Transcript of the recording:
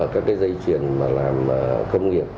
các cái dây chuyền mà làm công nghiệp